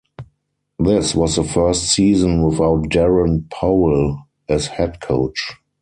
This was the first season without Darren Powell as head coach.